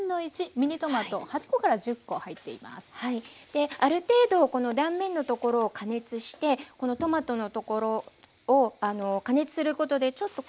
である程度この断面のところを加熱してトマトのところを加熱することでちょっと